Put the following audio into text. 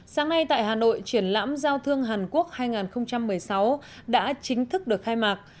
sáng nay tại hà nội triển lãm giao thương hàn quốc hai nghìn một mươi sáu đã chính thức được khai mạc